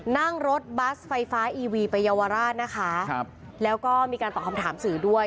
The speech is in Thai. นั่งรถบัสไฟฟ้าอีวีไปเยาวราชนะคะครับแล้วก็มีการตอบคำถามสื่อด้วย